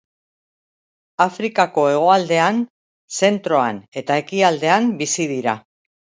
Afrikako hegoaldean, zentroan eta ekialdean bizi dira.